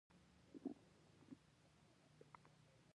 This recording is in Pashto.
د رسول الله نسب تر حضرت اسماعیل پورې رسېږي.